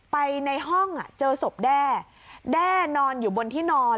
ไปในห้องเจอศพแด้แด้นอนอยู่บนที่นอน